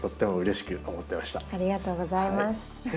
ありがとうございます。